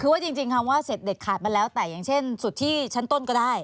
คือว่าจริงคำว่าเสร็จเด็ดขาดมาแล้วแต่อย่างเช่นสุดที่ชั้นต้นก็ได้